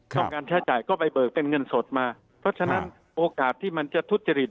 ต้องการใช้จ่ายก็ไปเบิกเป็นเงินสดมาเพราะฉะนั้นโอกาสที่มันจะทุจริต